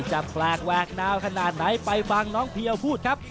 จะแปลกแหวกดาวขนาดไหนไปฟังน้องเพียวพูดครับ